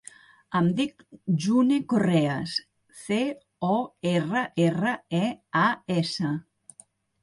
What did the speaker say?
Em dic June Correas: ce, o, erra, erra, e, a, essa.